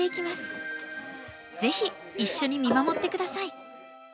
ぜひ一緒に見守って下さい。